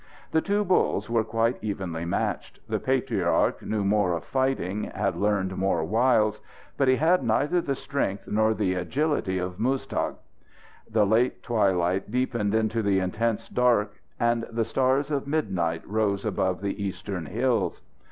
The two bulls were quite evenly matched. The patriarch knew more of fighting, had learned more wiles, but he had neither the strength nor the agility of Muztagh. The late twilight deepened into the intense dark, and the stars of midnight rose above the eastern hills.